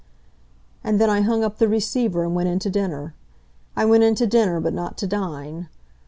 And then I hung up the receiver and went in to dinner. I went in to dinner, but not to dine.